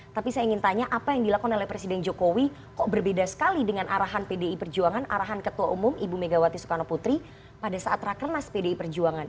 tapi saya ingin tanya apa yang dilakukan oleh presiden jokowi kok berbeda sekali dengan arahan pdi perjuangan arahan ketua umum ibu megawati soekarno putri pada saat rakernas pdi perjuangan